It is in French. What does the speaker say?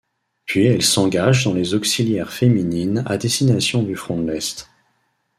Puis elle s'engage dans les auxiliaires féminines à destination du front de l'Est.